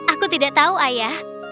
aku tidak tahu ayah